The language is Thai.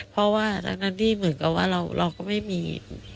เพราะว่าทั้งนั้นที่เหมือนกับว่าเราก็ไม่มี